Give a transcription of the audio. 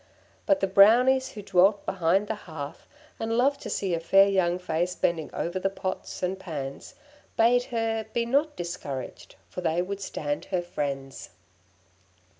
But the Brownies who dwelt behind the hearth, and love to see a fair young face bending over the pots and pans, bade her be not discouraged, for they would stand her friends.